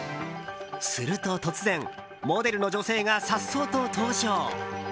すると突然モデルの女性が颯爽と登場。